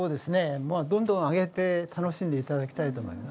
どんどん揚げて、楽しんでいただきたいと思います。